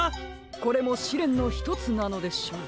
これもしれんのひとつなのでしょう。